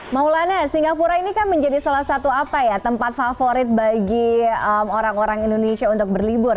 maulana singapura ini kan menjadi salah satu tempat favorit bagi orang orang indonesia untuk berlibur